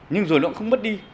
nhưng rồi nó cũng không mất đi